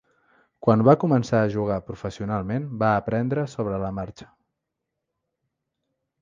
Quan va començar a jugar professionalment, va aprendre sobre la marxa.